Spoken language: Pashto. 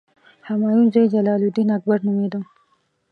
همایون زوی جلال الدین اکبر نومېده.